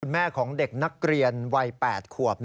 แม่ของเด็กนักเรียนวัย๘ขวบ